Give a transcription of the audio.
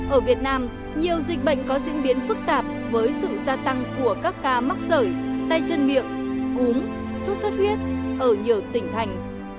ở việt nam nhiều dịch bệnh có diễn biến phức tạp với sự gia tăng của các ca mắc sởi tay chân miệng cúm sốt xuất huyết ở nhiều tỉnh thành